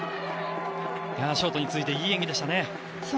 ショートに続いていい演技でしたね。